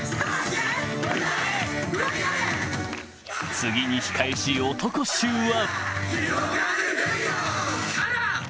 次に控えし男衆は